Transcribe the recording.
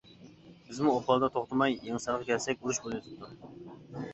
بىزمۇ ئوپالدا توختىماي، يېڭىسارغا كەلسەك ئۇرۇش بۇلىۋېتىپتۇ.